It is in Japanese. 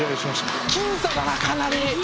僅差だなかなり。